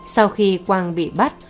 sau khi quang bị bắt